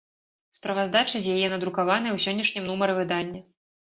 Справаздача з яе надрукаваная ў сённяшнім нумары выдання.